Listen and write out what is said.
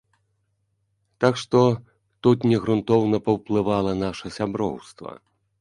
Так што, тут не грунтоўна паўплывала наша сяброўства.